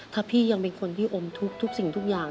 ถ้าพี่ยังเป็นคนที่อมทุกข์ทุกสิ่งทุกอย่าง